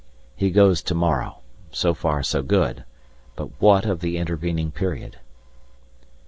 He goes to morrow, so far so good, but what of the intervening period?